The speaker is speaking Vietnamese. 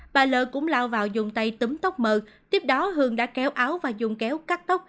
bà l cũng lao vào dùng tay tấm tóc m h tiếp đó h đã kéo áo và dùng kéo cắt tóc